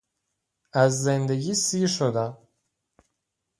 اززند گی سیرشدم